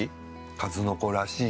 数の子らしい。